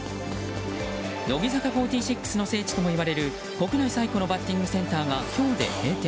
乃木坂４６の聖地ともいわれる国内最古のバッティングセンターが今日で閉店。